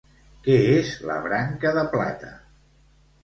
Què és la Branca de plata?